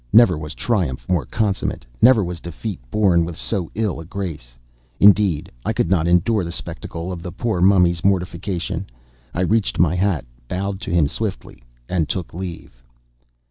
Never was triumph more consummate; never was defeat borne with so ill a grace. Indeed, I could not endure the spectacle of the poor Mummy's mortification. I reached my hat, bowed to him stiffly, and took leave.